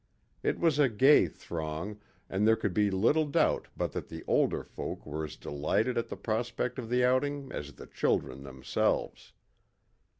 It was a gay throng, and there could be little doubt but that the older folk were as delighted at the prospect of the outing as the children themselves.